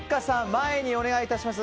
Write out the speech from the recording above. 前にお願いいたします。